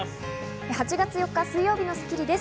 ８月４日、水曜日の『スッキリ』です。